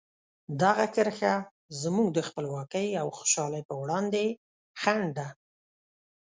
دغه کرښه زموږ د خپلواکۍ او خوشحالۍ په وړاندې خنډ ده.